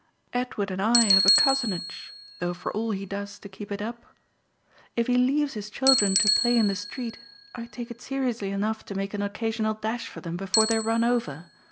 Edward and I have a cousinage, though for all he does to keep it up ! If he leaves his children to play in the street I take it seriously enough to make an occasional dash for them before they're run over.